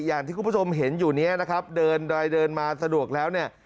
อย่างที่คุณผู้ชมเห็นอยู่เนี่ยนะครับเดินดอยเดินมาสะดวกแล้วเนี่ย